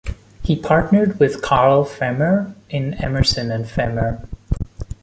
He partnered with Carl Fehmer in Emerson and Fehmer.